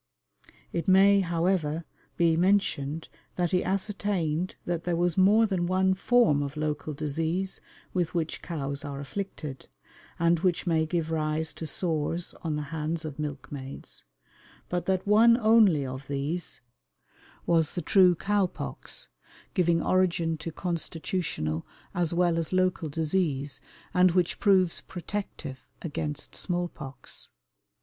It may, however, be mentioned that he ascertained that there was more than one form of local disease with which cows are afflicted, and which may give rise to sores on the hands of milkmaids, but that one only of these was the true cow pox, giving origin to constitutional as well as local disease, and which proves protective against small pox.